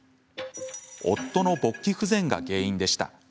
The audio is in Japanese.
夫の勃起不全が原因でした。